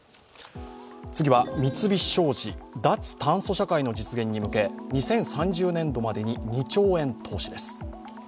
次は三菱商事、脱炭素社会の実現に向け、２０３０年度までに２兆円の投資です。